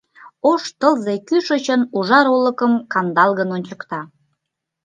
Ош тылзе кӱшычын ужар олыкым кандалгын ончыкта.